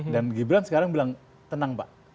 dan gibran sekarang bilang tenang pak